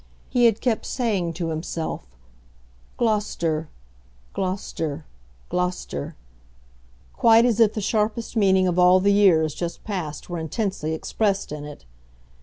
He had kept saying to himself "Gloucester, Gloucester, Gloucester," quite as if the sharpest meaning of all the years just passed were intensely expressed in it.